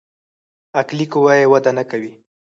عقلي قوه يې وده نکوي.